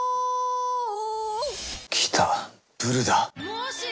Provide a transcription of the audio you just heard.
来た、ブルだ。